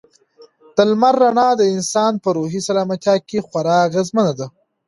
د لمر رڼا د انسان په روحي سلامتیا کې خورا اغېزمنه ده.